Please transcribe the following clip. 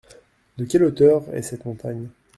De quel hauteur est cette montagne ?